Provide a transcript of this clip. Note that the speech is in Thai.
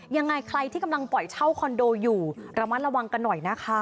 ยังไงใครที่กำลังปล่อยเช่าคอนโดอยู่ระมัดระวังกันหน่อยนะคะ